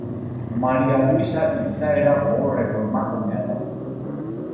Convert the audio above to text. Maria Luisa izaera gogorreko emakumea da.